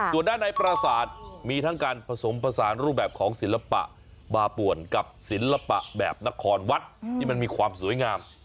ส่วนด้านในปราศาสตร์มีทั้งการผสมผสานรูปแบบของศิลปะบาป่วนกับศิลปะแบบนครวัดที่มันมีความสวยงาม